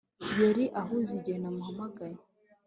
Yari ahuze igihe namuhamagaye